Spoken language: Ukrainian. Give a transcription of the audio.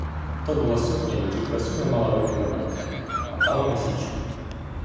То була сукня, в якій красуня мала вийти на банкет, а попала на січу.